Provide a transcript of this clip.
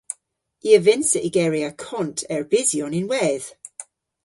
I a vynnsa ygeri akont erbysyon ynwedh.